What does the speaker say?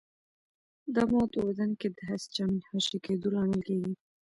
دا مواد په بدن کې د هسټامین خوشې کېدو لامل کېږي.